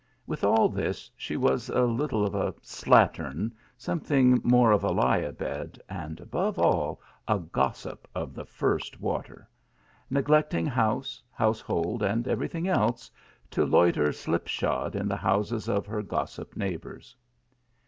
With all this she was a little of a slattern, something more of a lie a bed, and, above all, a gos sip i>f the first water ; neglecting house, household and every thing else, to loiter slip shod in the houses of her gossip neighbours.